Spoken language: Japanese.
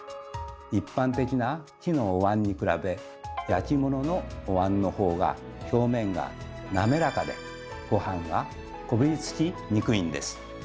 一般的な木のおわんに比べ焼き物のおわんのほうが表面がなめらかでごはんがこびりつきにくいんです。